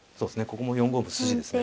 ここも４五歩筋ですね。